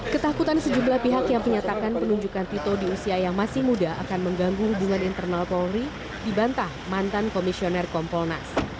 ketakutan sejumlah pihak yang menyatakan penunjukan tito di usia yang masih muda akan mengganggu hubungan internal polri dibantah mantan komisioner kompolnas